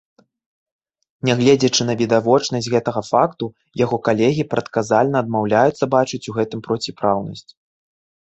Нягледзячы на відавочнасць гэтага факту, яго калегі прадказальна адмаўляюцца бачыць у гэтым проціпраўнасць.